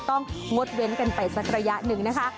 งดเว้นกันไปสักระยะหนึ่งนะคะ